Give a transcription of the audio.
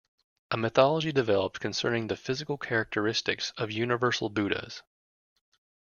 A mythology developed concerning the physical characteristics of Universal Buddhas.